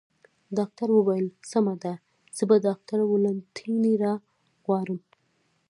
ډاکټر وویل: سمه ده، زه به ډاکټر والنتیني را وغواړم.